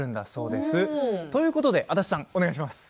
ということで足立さん、お願いします。